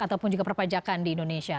ataupun juga perpajakan di indonesia